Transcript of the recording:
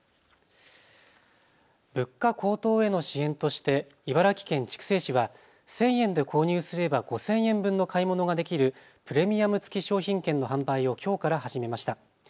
物価高騰への支援として茨城県筑西市は１０００円で購入すれば５０００円分の買い物ができるプレミアム付き商品券の販売をきょうから始めました。